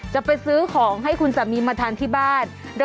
จะไปซื้อของให้คุณสามีมาทานที่บ้าน